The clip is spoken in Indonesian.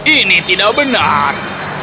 ini tidak benar